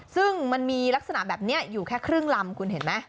ซึ่งมันมีลักษณะแบบนี้อยู่แค่ครึ่งลำคุณเห็นไหม